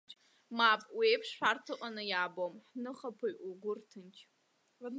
Мап, уи еиԥш шәарҭа ыҟаны иаабом, ҳныхаԥааҩ, угәы рҭынч.